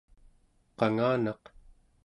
qanganaq